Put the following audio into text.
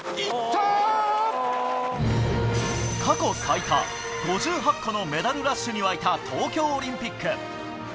過去最多５８個のメダルラッシュに沸いた東京オリンピック。